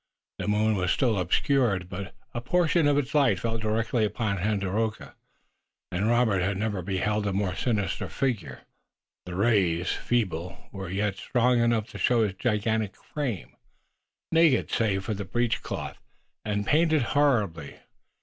The moon was still obscured, but a portion of its light fell directly upon Tandakora, and Robert had never beheld a more sinister figure. The rays, feeble, were yet strong enough to show his gigantic figure, naked save for the breech cloth, and painted horribly.